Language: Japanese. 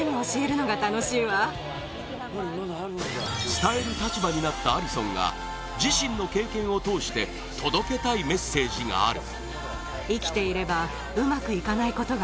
伝える立場になったアリソンが自身の経験を通して届けたいメッセージがある。